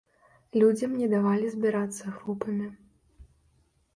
Людзям не давалі збірацца групамі.